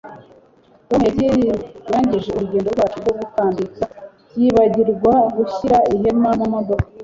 Tom yangije urugendo rwacu rwo gukambika yibagirwa gushyira ihema mu modoka